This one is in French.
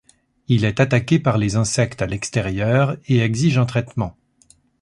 Il est attaqué par les insectes à l'extérieur et exige un traitement.